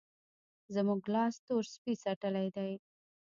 زموږ لاس تور سپي څټلی دی.